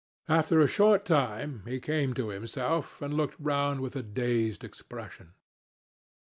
After a short time, he came to himself and looked round with a dazed expression.